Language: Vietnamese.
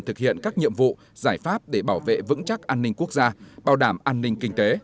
thực hiện các nhiệm vụ giải pháp để bảo vệ vững chắc an ninh quốc gia bảo đảm an ninh kinh tế